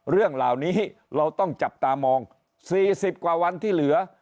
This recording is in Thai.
เรื่องเหล่านี้เราต้องจับตามอง๔๐กว่าวันที่เหลือ